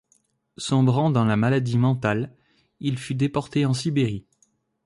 Sombrant dans la maladie mentale, il fut déporté en Sibérie.